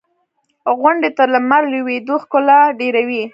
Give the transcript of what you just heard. • غونډۍ د لمر لوېدو ښکلا ډېروي.